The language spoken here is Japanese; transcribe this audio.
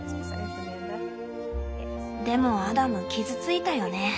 でもアダム傷ついたよね。